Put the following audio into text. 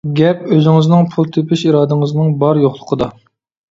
گەپ ئۆزىڭىزنىڭ پۇل تېپىش ئىرادىڭىزنىڭ بار-يوقلۇقىدا.